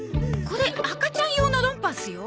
これ赤ちゃん用のロンパースよ。